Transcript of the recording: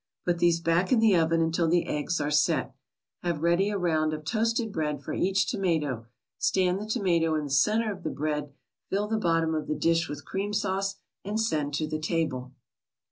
Put these back in the oven until the eggs are "set." Have ready a round of toasted bread for each tomato, stand the tomato in the center of the bread, fill the bottom of the dish with cream sauce, and send to the table.